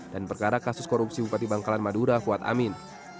dan perkara kasus korupsi bupati bangkalan madura fuad amin